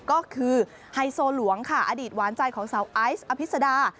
ก็คือไฮโซหลวงค่ะอดีตหวานใจของสาวไอซ์อภิษดา